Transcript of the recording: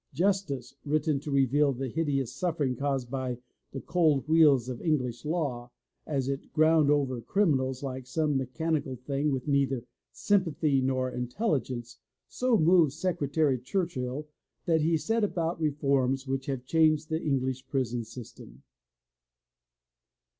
Justice , written to reveal the hideous suffering caused by the cold wheels of English law, as it ground over criminals like some mechanical thing with neither sympathy nor intelligence, so moved Secretary Churchill that he set about reforms which have changed the English prison system.